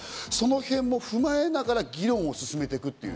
そのへんも踏まえながら議論を進めていく。